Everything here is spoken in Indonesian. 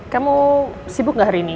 kamu sibuk gak hari ini